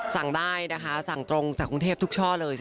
สั่งได้นะคะสั่งตรงจากกรุงเทพทุกช่อเลย